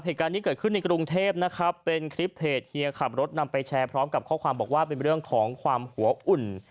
เหตุการณ์นี้เกิดขึ้นในกรุงเทพนะครับเป็นคลิปเพจเฮียขับรถนำไปแชร์พร้อมกับข้อความบอกว่าเป็นเรื่องของความหัวอุ่น